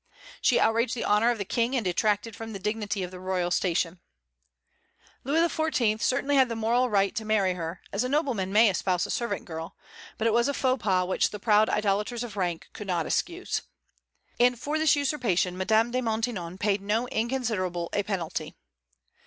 She outraged the honor of the King, and detracted from the dignity of the royal station. Louis XIV. certainly had the moral right to marry her, as a nobleman may espouse a servant girl; but it was a faux pas which the proud idolaters of rank could not excuse. And for this usurpation Madame de Maintenon paid no inconsiderable a penalty.